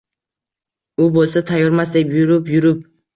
U bo’lsa «tayyormas» deb yurib-yurib